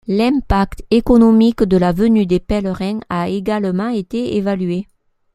L'impact économique de la venue des pèlerins a également été évalué.